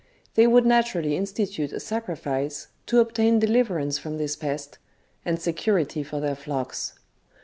They would naturally in stitute a sacrifice to obtain deliverance from this pest, and security for their flocks.